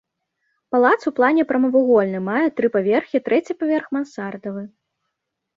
Палац у плане прамавугольны, мае тры паверхі, трэці паверх мансардавы.